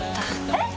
えっ！！